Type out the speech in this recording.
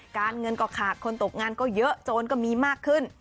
การเงินก็ขาดคนตกงานก็เยอะโจรก็มีมากขึ้น